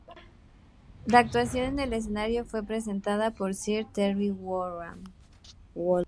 La actuación en el escenario fue presentada por Sir Terry Wogan.